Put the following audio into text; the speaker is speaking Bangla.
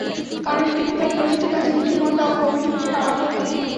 কারণ তিনি তাঁর প্রতিটি কাজে বুদ্ধিমত্তা ও কৌলীন্যের আলামত দেখছিলেন।